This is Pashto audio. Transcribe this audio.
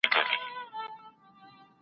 له نورو علومو څخه ګټه پورته کړه.